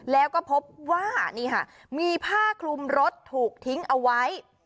แล้วก็พบว่านี่ค่ะมีผ้าคลุมรถถูกทิ้งเอาไว้